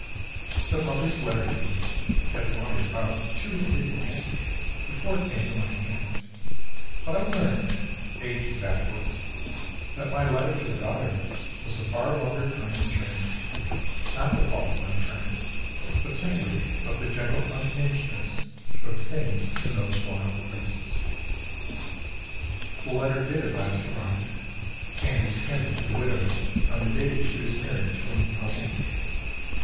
The mother's letter to me had wandered about for two or three months before it came to my hands; but I learned, ages afterwards, that my letter to the daughter was a far longer time in transit; not the fault of my friend, but simply of the general unhingedness of things in those wild places. The letter did at last arrive, and was handed to the widow on the day she was married to a new husband.